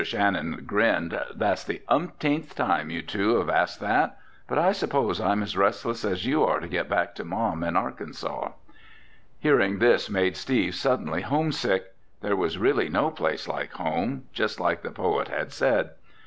Shannon grinned. "That's the umpteenth time you two have asked that. But I suppose I'm as restless as you are to get back to Mom in Arkansas." Hearing this made Steve suddenly homesick. There was really no place like home, just like the poet had said.